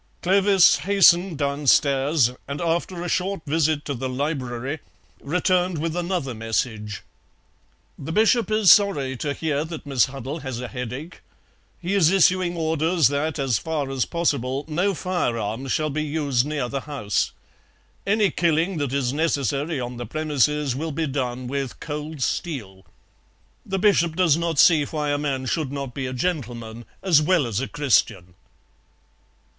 Clovis hastened downstairs, and after a short visit to the library returned with another message: "The Bishop is sorry to hear that Miss Huddle has a headache. He is issuing orders that as far as possible no firearms shall be used near the house; any killing that is necessary on the premises will be done with cold steel. The Bishop does not see why a man should not be a gentleman as well as a Christian."